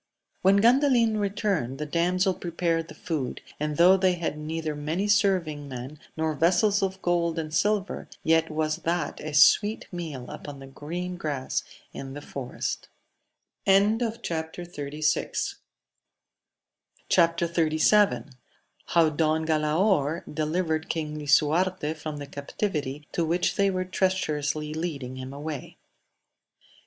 When Gandalin returned, the damsel prepared the food ; and, though they had neither many serving men, nor vessels of gold and silver, yet was that a sweet meal upon the green grass in \k>A &it^<&\». 198 4MADIS OF GAUL. Chap. XXXVII. — How Don Galaor deliTered King Lisuarte from the captiyity to which thej were treacherously leading him away.